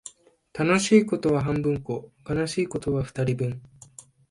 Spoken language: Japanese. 楽しいことは半分こ、悲しいことは二人分